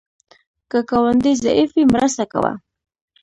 که ګاونډی ضعیف وي، مرسته کوه